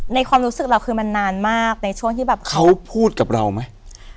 ความรู้สึกเราคือมันนานมากในช่วงที่แบบเขาพูดกับเราไหม